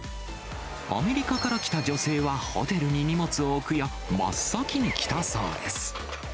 アメリカから来た女性は、ホテルに荷物を置くや、真っ先に来たそうです。